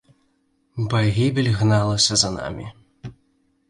Пагібель гналася за намі.